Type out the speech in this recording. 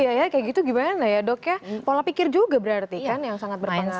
iya ya kayak gitu gimana ya dok ya pola pikir juga berarti kan yang sangat berpengaruh